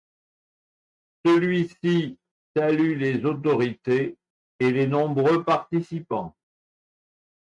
Celui-ci salue les autorités et les nombreux participants.